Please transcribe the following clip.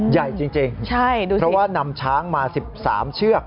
ใหญ่จริงเพราะว่านำช้างมา๑๓เชือก